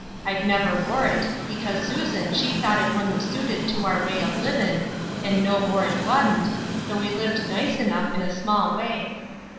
I've never wore it, because Susan she thought it wan't suited to our way of livin" and no more it wan't, though we lived nice enough in a small way.